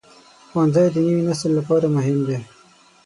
ښوونځی د نوي نسل لپاره مهم دی.